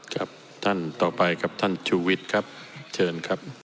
ครับท่านต่อไปครับท่านชูวิทย์ครับเชิญครับ